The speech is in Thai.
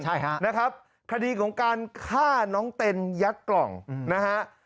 ใช่ฮะนะครับคดีของการฆ่าน้องเต็นยัดกล่องนะฮะ